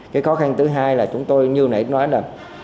cái khó khăn thứ hai là chúng tôi như nãy nói là